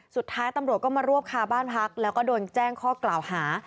สุดท้ายตำรวจก็มารวบคาบ้านพักแล้วก็โดนแจ้งข้อกล่าวหา